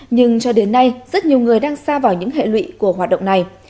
nhưng cho đến nay rất nhiều người đang xa vào những hệ lụy của hoạt động này